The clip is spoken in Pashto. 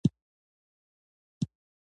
پر فرهنګي او اجتماعي زمینو یې هم ټینګار شوی.